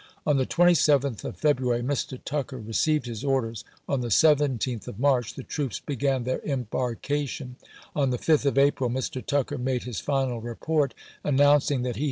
On the 27th of February, Mr. Tucker re ceived his orders ; on the 17th of March, the troops began their embarkation ; on the 5th of April, Mr. Tucker made his final report, announcing that he p/^e!